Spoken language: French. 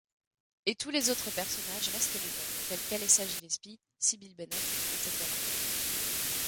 Et tous les autres personnages restent les mêmes tels qu'Alessa Gillespie, Cybil Bennett, etc.